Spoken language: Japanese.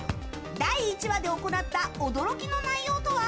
第１話で行った驚きの内容とは？